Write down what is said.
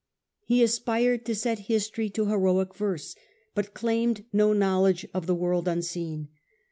He aspired to set history to heroic verse, but claimed no knowledge of the world unseen.